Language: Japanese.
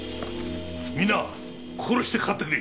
みんな心してかかってくれ。